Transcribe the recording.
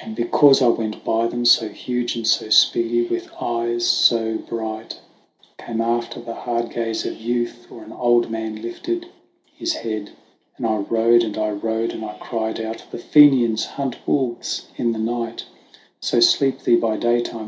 And because I went by them so huge and so speedy with eyes so bright, Came after the hard gaze of youth, or an old man lifted his head : And I rode and I rode, and I cried out, "The Fenians hunt wolves in the night, So sleep they by daytime."